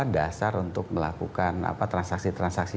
dasar untuk melakukan transaksi transaksi